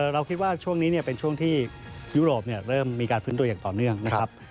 เราคิดว่าช่วงนี้เป็นช่วงที่ยุโรปเริ่มมีการฟื้นตัวอย่างต่อเนื่องนะครับ